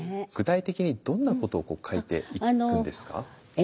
具体的にどんなことを書いていくんですか？